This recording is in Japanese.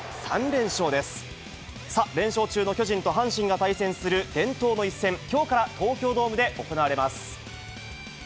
連勝中の巨人と阪神が対戦する伝統の一戦、きょうから東京ドームで行われます。